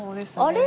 あれ？